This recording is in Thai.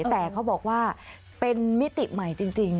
แต่เขาบอกว่าเป็นมิติใหม่จริง